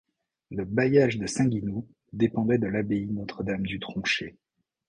Le bailliage de Saint-Guinoux dépendaient de l'abbaye Notre-Dame du Tronchet.